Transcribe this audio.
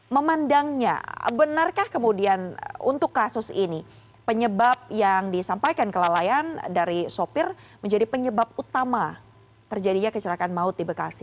memandangnya benarkah kemudian untuk kasus ini penyebab yang disampaikan kelalaian dari sopir menjadi penyebab utama terjadinya kecelakaan maut di bekasi